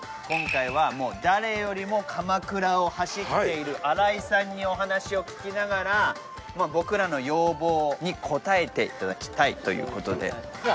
今回は誰よりも鎌倉を走っている新井さんにお話を聞きながら僕らの要望に応えていただきたいということで。